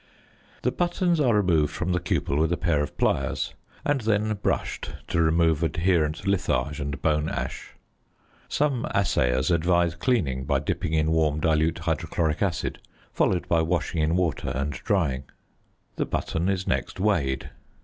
The buttons are removed from the cupel with a pair of pliers and then brushed to remove adherent litharge and bone ash. Some assayers advise cleaning by dipping in warm dilute hydrochloric acid followed by washing in water and drying. The button is next weighed.